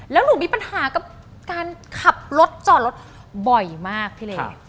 แล้วหนูมีปัญหากับการขับรถจอดรถบ่อยมากพี่เล็ก